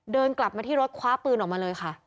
เดินกลับมาที่รถคว้าปืนออกมาเลยค่ะ